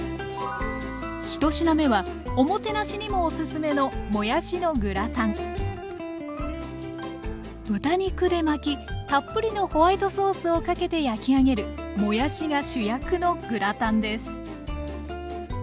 １品目はおもてなしにもオススメの豚肉で巻きたっぷりのホワイトソースをかけて焼き上げるもやしが主役のグラタンです。